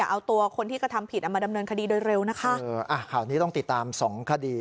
เอาตัวคนที่กระทำผิดเอามาดำเนินคดีโดยเร็วนะคะเอออ่ะข่าวนี้ต้องติดตามสองคดี